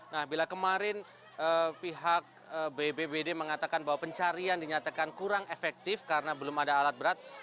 nah bila kemarin pihak bbbd mengatakan bahwa pencarian dinyatakan kurang efektif karena belum ada alat berat